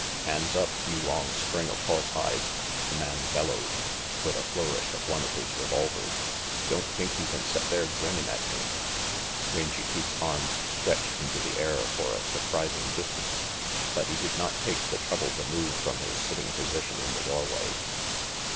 "Hands up, you long string of horse hide," the man bellowed, with a flourish of one of his revolvers. "Don't think you can set there grinnin' at me." Rangy Pete's arms stretched into the air for a surprising distance, but he did not take the trouble to move from his sitting position in the doorway.